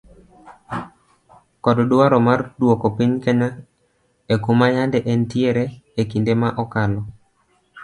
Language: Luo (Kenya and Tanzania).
Kod dwaro mar dwoko piny kenya ekuma yande entiere ekinde ma okalo